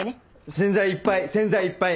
洗剤いっぱい洗剤いっぱい。